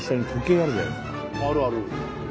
あるある。